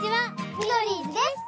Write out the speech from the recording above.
ミドリーズです！